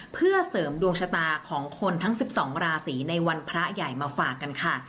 เพื่อเสริมดวงชะตาของคนทั้ง๑๒ราศีในวันพระใหญ่มาฝากกันค่ะ